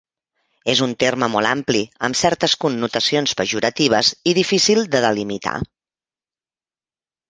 És un terme molt ampli, amb certes connotacions pejoratives i difícil de delimitar.